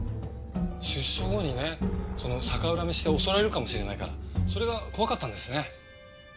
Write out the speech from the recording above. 出所後にねその逆恨みして襲われるかもしれないからそれが怖かったんですね。